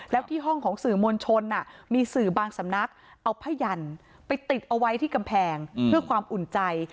แล้วที่ห้องของสื่อมวลชนมีสื่อบางสำนักเอาผ้ายันไปติดเอาไว้ที่กำแพงเพื่อความอุ่นใจ